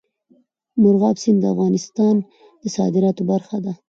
مورغاب سیند د افغانستان د صادراتو برخه ده.